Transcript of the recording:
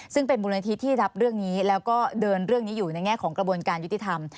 ซึ่งเป็นมูลนิธิที่รับเรื่องนี้แล้วก็เดินเรื่องนี้อยู่ในแง่ของกระบวนการยุติธรรม